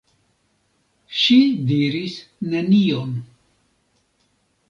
Ŝi diris nenion.